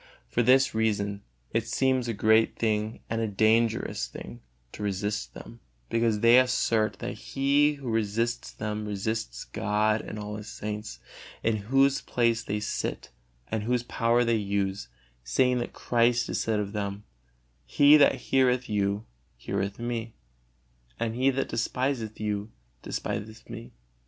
For this reason it seems a great thing and a dangerous to resist them, because they assert that he who resists them resists God and all His saints, in whose place they sit and whose power they use, saying that Christ said of them, "He that heareth you, heareth Me, and he that despiseth you, despiseth Me."